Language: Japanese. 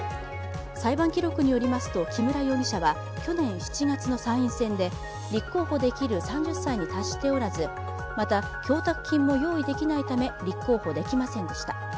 裁判記録によりますと木村容疑者は去年７月の参院選で立候補できる３０歳に達しておらず、また、供託金も用意できないため立候補できませんでした。